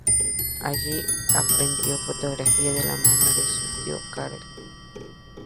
Allí aprendió fotografía de la mano de su tío Karel.